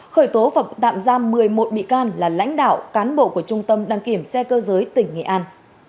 khởi tố và tạm giam một mươi một bị can là lãnh đạo cán bộ của trung tâm đăng kiểm xe cơ giới tỉnh nghệ an